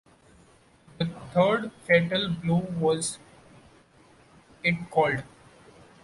The third fatal blow was it called'.